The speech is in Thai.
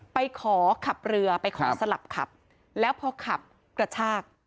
ไปขอขับเรือไปขอสลับขับแล้วพอขับกระชาก